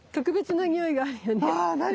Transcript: あ何？